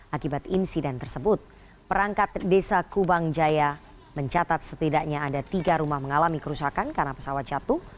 akibat insiden tersebut perangkat desa kubang jaya mencatat setidaknya ada tiga rumah mengalami kerusakan karena pesawat jatuh